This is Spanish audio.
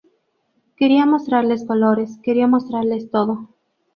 Quería mostrarles colores, quería mostrarles todo.